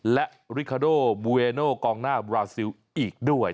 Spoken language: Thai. และริคาโดบูเวโนกองหน้าบราซิลอีกด้วย